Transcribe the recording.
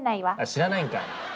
知らないんかい！